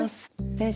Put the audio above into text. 先生